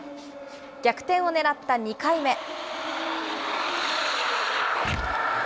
逆転を狙った２回目。